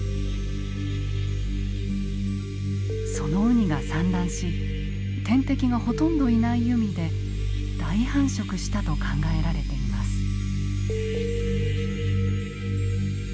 そのウニが産卵し天敵がほとんどいない海で大繁殖したと考えられています。